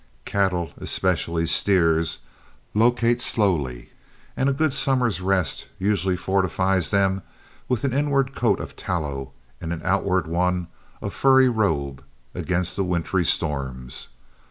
Cattle, especially steers, locate slowly, and a good summer's rest usually fortifies them with an inward coat of tallow and an outward one of furry robe, against the wintry storms.